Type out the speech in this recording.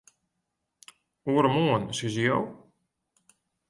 Oaremoarn, sizze jo?